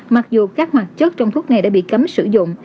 mặc dù các hoạt chất trong thuốc này đã bị cấm sử dụng